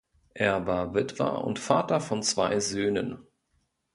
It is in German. Er war Witwer und Vater von zwei Söhnen.